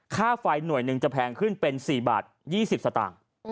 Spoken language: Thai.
ค่าไฟหน่วยหนึ่งจะแพงขึ้นเป็น๔บาท๒๐สตางค์